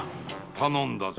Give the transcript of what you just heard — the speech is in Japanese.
頼んだぞ。